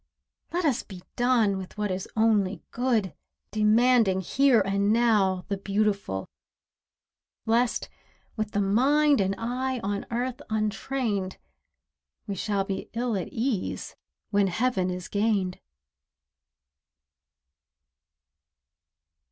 Let us be done with what is only good, Demanding here and now the beautiful; Lest, with the mind and eye on earth untrained, We shall be ill at ease when heaven is gained.